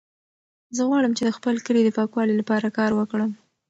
زه غواړم چې د خپل کلي د پاکوالي لپاره کار وکړم.